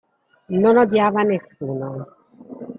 Non odiava nessuno.